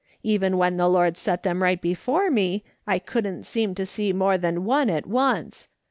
Even when the Lord set them right before me, I couldn't seem to see more than one at once.